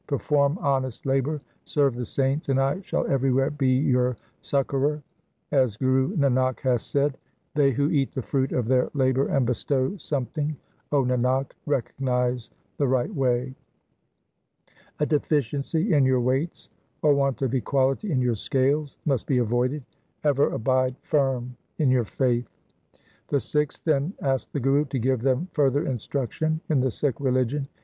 Perform honest labour, serve the saints, and I shall everywhere be your succourer. As Guru Nanak hath said :— They who eat the fruit of their labour and bestow some thing, O Nanak, recognize the right way. 2 A deficiency in your weights or want of equality in your scales must be avoided. Ever abide firm in your faith.' ' The Sikhs then asked the Guru to give them further instruction in the Sikh religion.